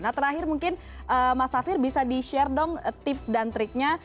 nah terakhir mungkin mas safir bisa di share dong tips dan triknya